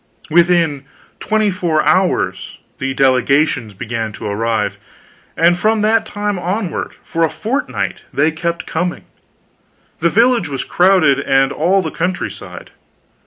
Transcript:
Within twenty four hours the delegations began to arrive, and from that time onward for a fortnight they kept coming. The village was crowded, and all the countryside.